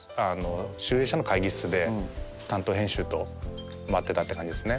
集英社の会議室で担当編集と待ってたって感じですね。